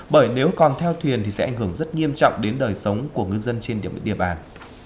bởi nếu còn theo thuyền thì sẽ ảnh hưởng rất nghiêm trọng đến đời sống của ngư dân trên địa bàn